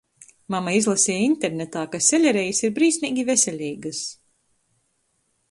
Mama izlaseja internetā, ka selerejis ir brīsmeigi veseleigys...